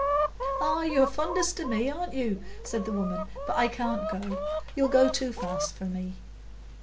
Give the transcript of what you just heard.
"Ah, you're fondest o' me, aren't you?" said the woman. "But I can't go; you'll go too fast for me."